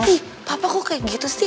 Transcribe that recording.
ih papa kok kayak gitu sih